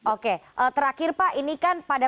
oke terakhir pak ini kan pada